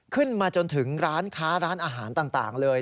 ขึ้นมาจนถึงร้านค้าร้านอาหารต่างเลย